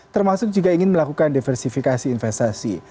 termasuk juga ingin melakukan diversifikasi investasi